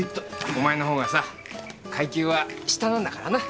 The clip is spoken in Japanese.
お前の方がさ階級は下なんだからな。